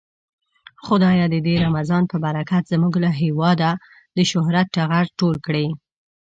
خدايه د دې رمضان په برکت زمونږ له هيواده د شهرت ټغر ټول کړې.